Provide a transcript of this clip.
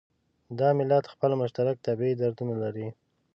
دا ملت خپل مشترک طبعي دردونه لري.